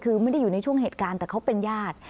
คือไม่ได้อยู่ในช่วงเหตุการณ์แต่เขาเป็นญาติ